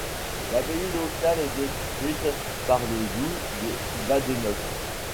L'abbaye local est détruite par le Loup de Badenoch.